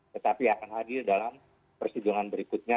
tetapi akan hadir dalam persidangan berikutnya